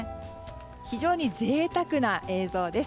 非常に贅沢な映像です。